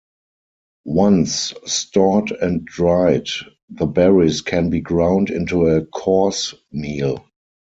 Once stored and dried, the berries can be ground into a coarse meal.